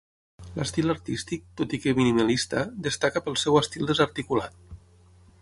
L'estil artístic, tot i que minimalista, destaca pel seu estil desarticulat.